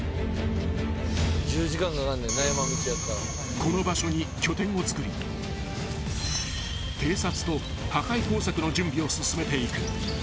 ［この場所に拠点をつくり偵察と破壊工作の準備を進めていく］